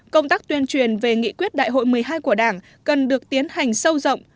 công tác tuyên truyền về nghị quyết đại hội một mươi hai của đảng cần được tiến hành sâu rộng